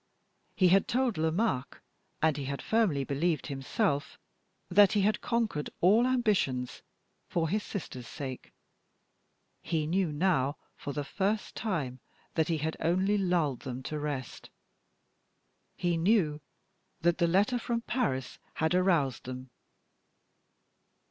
He had told Lomaque, and he had firmly believed himself, that he had conquered all ambitions for his sister's sake. He knew now, for the first time, that he had only lulled them to rest he knew that the letter from Paris had aroused them.